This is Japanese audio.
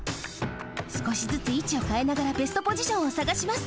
すこしずついちをかえながらベストポジションをさがします。